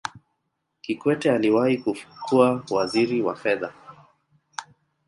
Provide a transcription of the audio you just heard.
kikwete aliwahi kuwa waziri wa fedha